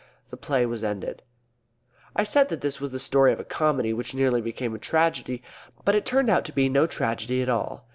The Play was ended. I said that this was the story of a comedy which nearly became a tragedy. But it turned out to be no tragedy at all.